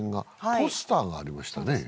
ポスターがありましたね